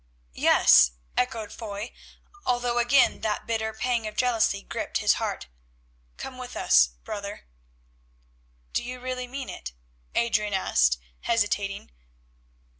"Yes," echoed Foy, although again that bitter pang of jealousy gripped his heart, "come with us—brother." "Do you really mean it?" Adrian asked, hesitating.